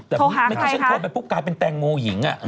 โทรหาใครคะเพราะฉะนั้นโทรไปปุ๊บกลายเป็นแตงโมหญิงอะ